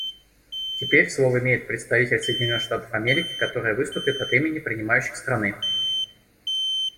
Теперь слово имеет представитель Соединенных Штатов Америки, которая выступит от имени принимающей страны.